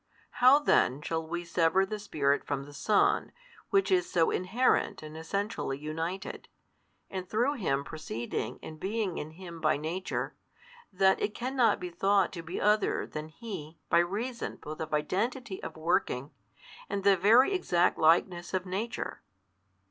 How then shall we sever the Spirit from the Son, Which is so inherent and essentially united, and through Him proceeding and being in Him by Nature, that It cannot be thought to be Other than He by reason both of Identity of working, and the very exact likeness of Nature.